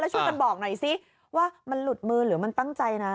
ช่วยกันบอกหน่อยสิว่ามันหลุดมือหรือมันตั้งใจนะ